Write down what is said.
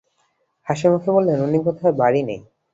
হাসিমুখে বললেন, উনি বোধহয় বাড়ি নেই।